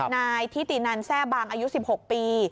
นายทิตินันแทร่บางอายุ๑๖ปี